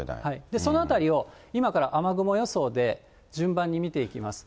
そのあたりを、今から雨雲予想で順番に見ていきます。